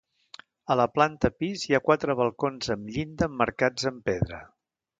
A la planta pis hi ha quatre balcons amb llinda emmarcats amb pedra.